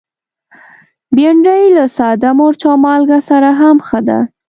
بېنډۍ له ساده مرچ او مالګه سره هم ښه ده